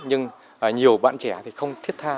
nhưng nhiều bạn trẻ không thiết tha